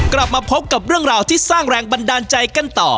กลับมาพบกับเรื่องราวที่สร้างแรงบันดาลใจกันต่อ